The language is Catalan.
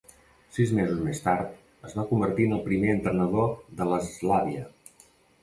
Sis mesos més tard, es va convertir en el primer entrenador de l'Slavia.